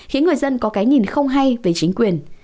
khiến người dân có cái nhìn không hay về chính quyền